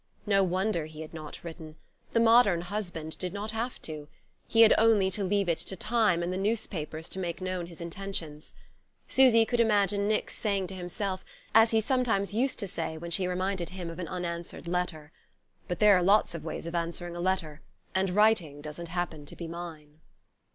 No wonder he had not written the modern husband did not have to: he had only to leave it to time and the newspapers to make known his intentions. Susy could imagine Nick's saying to himself, as he sometimes used to say when she reminded him of an unanswered letter: "But there are lots of ways of answering a letter and writing doesn't happen to be mine."